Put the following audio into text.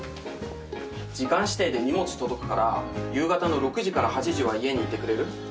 時間指定で荷物届くから夕方の６時から８時は家にいてくれる？